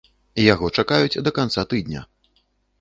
Яго чакаюць да канца тыдня.